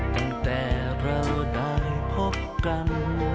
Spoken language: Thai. ตั้งแต่เราได้พบกัน